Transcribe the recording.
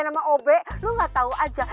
nama ob lu gak tau aja